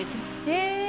え？